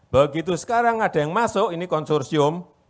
begitu sekarang ada yang masuk ini konsorsium